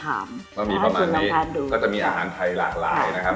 หมั่นมะขามมีประมาณนี้ก็จะมีอาหารไทยหลากหลายนะครับ